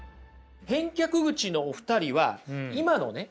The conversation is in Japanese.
返却口のお二人は今のね